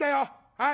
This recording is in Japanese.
はい。